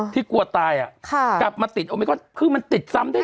กลัวตายกลับมาติดโอมิคอนคือมันติดซ้ำได้